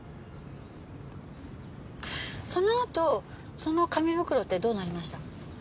そのあとその紙袋ってどうなりました？